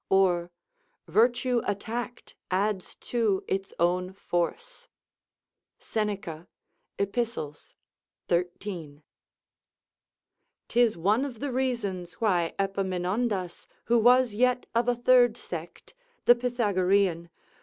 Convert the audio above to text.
or: "Virtue attacked adds to its own force." Seneca, Ep., 13.] 'Tis one of the reasons why Epaminondas, who was yet of a third sect, [The Pythagorean.